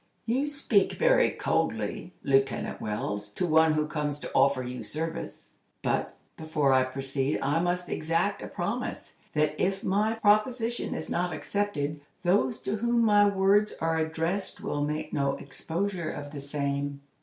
"You speak very coldly, Lieutenant Wells, to one who comes to offer you service. But, before I proceed, I must exact a promise, that if my proposition is not accepted, those to whom my words are addressed will make no exposure of the same."